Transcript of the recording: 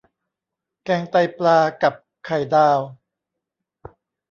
แกงไตปลากับไข่ดาว